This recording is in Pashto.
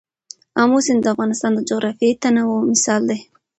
آمو سیند د افغانستان د جغرافیوي تنوع مثال دی.